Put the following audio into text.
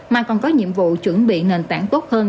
mà còn có nhiệm vụ chuẩn bị nền tảng tốt hơn